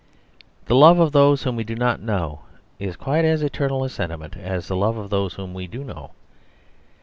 The love of those whom we do not know is quite as eternal a sentiment as the love of those whom we do know.